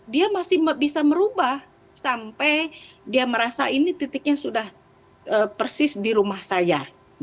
dia masih bisa merubah sampai dia merasa ini titiknya sudah persis di rumah saya